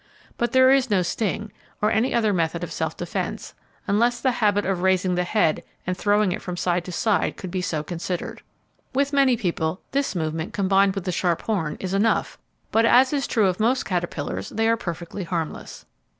But there is no sting, or any other method of self defence, unless the habit of raising the head and throwing it from side to side could be so considered. With many people, this movement, combined with the sharp horn, is enough, but as is true of most caterpillars, they are perfectly harmless.